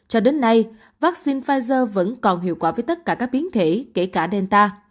cho đến nay vaccine pfizer vẫn còn hiệu quả với tất cả các biến thể kể cả delta